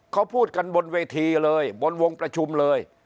เขาพูดกันบนเวทีเลยบนวงประชุมเลย